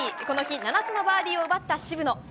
この日７つのバーディーを奪った渋野。